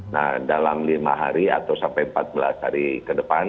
nah dalam lima hari atau sampai empat belas hari ke depan